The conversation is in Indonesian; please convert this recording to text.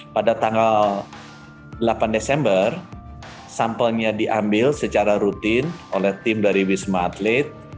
pada tanggal delapan desember sampelnya diambil secara rutin oleh tim dari wisma atlet